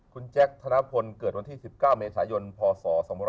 คุณแจ๊คธนพลเกิดวันที่๑๙เมษายนพศ๒๕๖๒